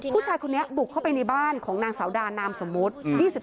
ผู้ชายคนนี้บุกเข้าไปในบ้านของนางสาวดานามสมมุติ